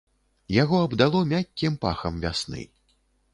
Яго абдало мяккім пахам вясны.